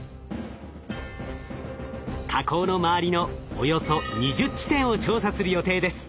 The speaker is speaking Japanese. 火口の周りのおよそ２０地点を調査する予定です。